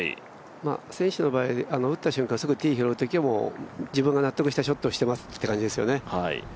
選手の場合、打った瞬間すぐにティーを拾う場合はもう自分が納得したショットしてますって感じですよね。